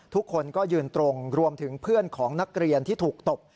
ทุกคนก็ยืนตรงรวมถึงเพื่อนของนักเรียนที่ถูกตบ